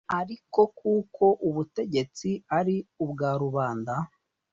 ariko kuko ubutegetsi ari ubwa rubanda,